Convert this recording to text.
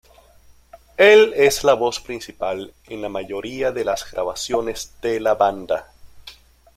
Él es la voz principal en la mayoría de las grabaciones de la banda.